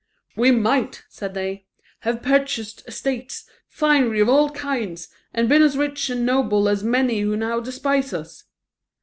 "We might," said they, "have purchased estates, finery of all kinds, and been as rich and noble as many who now despise us.